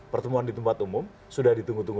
pertemuan di tempat umum sudah ditunggu tunggu